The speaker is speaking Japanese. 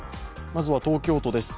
まずは東京都です。